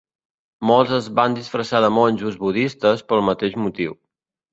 Molts es van disfressar de monjos budistes pel mateix motiu.